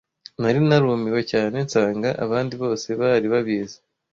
Nari narumiwe cyane nsanga abandi bose bari babizi.